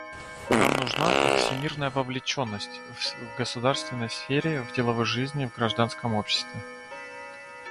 Нам нужна их всемерная вовлеченность — в государственной сфере, в деловой жизни, в гражданском обществе.